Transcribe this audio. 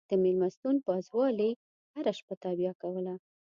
د مېلمستون پازوالې هره شپه تابیا کوله.